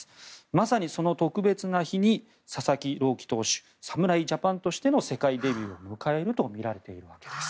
まさにその特別な日に佐々木朗希投手侍ジャパンとしての世界デビューを迎えるとみられているんです。